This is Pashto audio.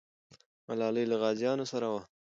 ملالۍ له غازیانو سره وه.